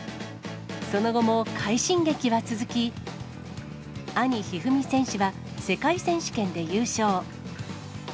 その後も、快進撃は続き、兄、一二三選手は世界選手権で優勝。